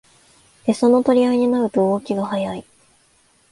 エサの取り合いになると動きが速い